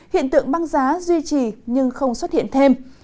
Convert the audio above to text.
hiện tượng băng giá duy trì nhưng không xuất hiện thêm